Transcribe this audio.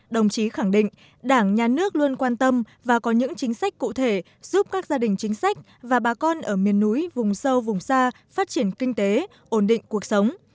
đồng chí khẳng định đảng nhà nước luôn quan tâm và có những chính sách cụ thể giúp các gia đình chính sách và bà con ở miền núi vùng sâu vùng xa phát triển kinh tế ổn định cuộc sống